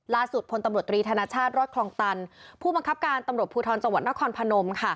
ล่าสุดพตรธนชาติรถคลองตันผู้มังคับการตำรวจภูทรจนพนม